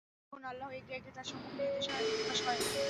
তখন আল্লাহ একে একে তার সম্মুখে নিদর্শনাদি প্রকাশ করেন।